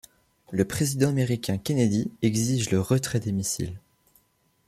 Le président américain Kennedy exige le retrait des missiles.